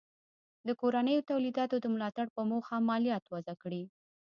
د کورنیو تولیداتو د ملاتړ په موخه مالیات وضع کړي.